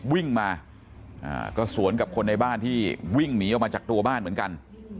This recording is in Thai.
วิ่งมาก็สวนกับคนในบ้านที่วิ่งหนีออกมาจากตัวบ้านเหมือนกัน